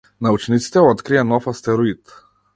Научниците открија нов астероид.